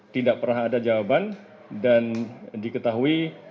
tidak pernah ada jawaban dan diketahui